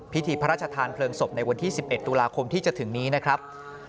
พิธีพระราชทานเพลิงศพในวันที่๑๑ตุลาคมที่จะถึงนี้นะครับ